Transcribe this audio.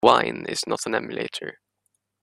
Wine is not an emulator.